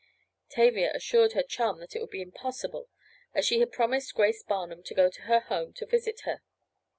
Tavia assured her chum that it would be impossible as she had promised Grace Barnum to go to her home to visit her.